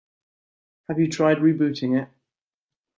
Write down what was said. Have you tried rebooting it?